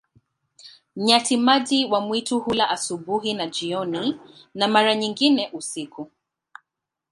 Nyati-maji wa mwitu hula asubuhi na jioni, na mara nyingine usiku.